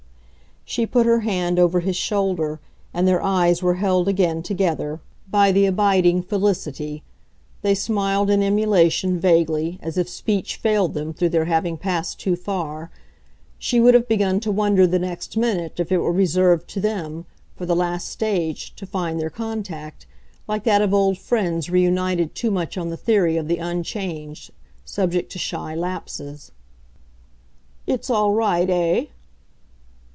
She put her hand over his shoulder, and their eyes were held again, together, by the abiding felicity; they smiled in emulation, vaguely, as if speech failed them through their having passed too far; she would have begun to wonder the next minute if it were reserved to them, for the last stage, to find their contact, like that of old friends reunited too much on the theory of the unchanged, subject to shy lapses. "It's all right, eh?"